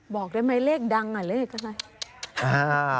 บอกได้ไหมเลขดังอ่ะเลขอะไร